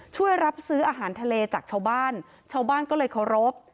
ช่วยรับซื้ออาหารทะเลจากชาวบ้านชาวบ้านก็เลยเคารพ